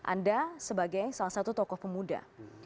anda sebagai salah satu tokoh pemuda